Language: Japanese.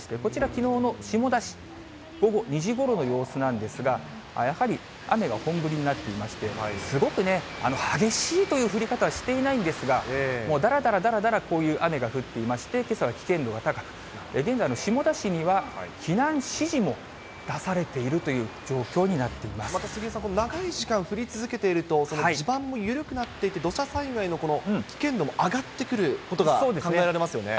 きのうの下田市、午後２時ごろの様子なんですが、やはり雨が本降りになっていまして、すごく激しいという降り方はしていないんですが、だらだらだらだらこういう雨が降っていまして、けさは危険度が高く、現在の下田市には避難指示も出されているという状況になっていままた杉江さん、長い時間降り続けていると、地盤も緩くなっていて、土砂災害の危険度も上がってくることが考えられますよね。